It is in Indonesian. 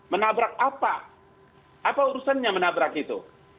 menabrak apa apa urusannya menabrak itu